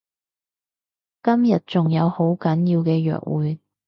今日仲有好緊要嘅約會